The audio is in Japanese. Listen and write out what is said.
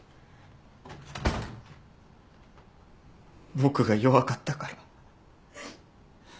僕が弱かったから。